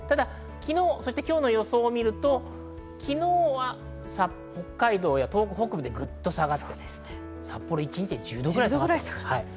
ただ昨日・今日の予想を見ると昨日は北海道や東北北部でぐっと下がって、札幌では１０度ぐらい下がりました。